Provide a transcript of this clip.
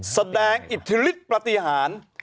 แสดงอิทธิฤทธิปฏิหาร